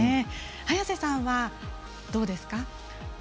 早瀬さんはどうですか？